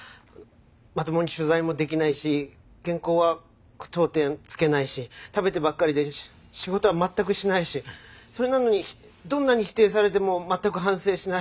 まともに取材もできないし原稿は句読点つけないし食べてばっかりで仕事は全くしないしそれなのにどんなに否定されても全く反省しない。